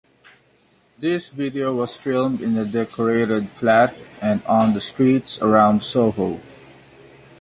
This video was filmed in a decorated flat and on the streets around Soho.